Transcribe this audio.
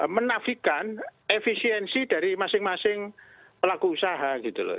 menafikan efisiensi dari masing masing pelaku usaha gitu loh